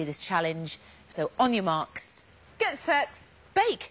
ベイク！